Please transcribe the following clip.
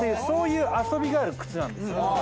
そういう遊びがある靴なんです。